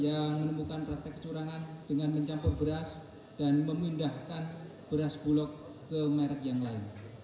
yang menemukan praktek kecurangan dengan mencampur beras dan memindahkan beras bulog ke merek yang lain